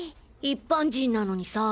一般人なのにさ。